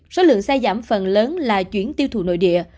số lượng xe giảm phần lớn là chuyển tiêu thụ nội địa